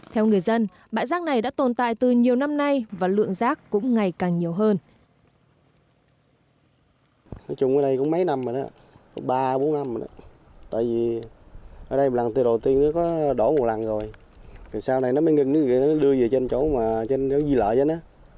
theo người dân bãi rác này đã tồn tại từ nhiều năm nay và lượng rác cũng ngày càng nhiều hơn